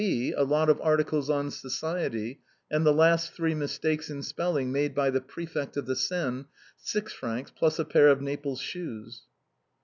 B , a lot of articles on Society, and the last three mistakes in spelling made by the Prefect of the Seine. 6 fr., plus a pair of Naples shoes.